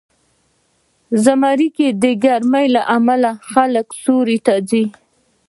زمری کې د ګرمۍ له امله خلک سیوري ته ځي.